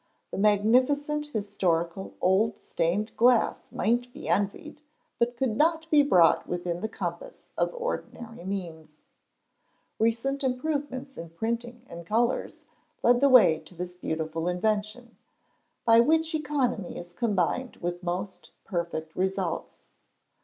The magnificent historical old stained glass might be envied, but could not be brought within the compass of ordinary means. Recent improvements in printing in colours led the way to this beautiful invention, by which economy is combined with the most perfect results.